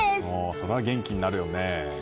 それは元気になるよね。